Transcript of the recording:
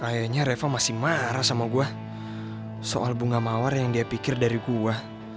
kayaknya reva masih marah sama gue soal bunga mawar yang dia pikir dari gua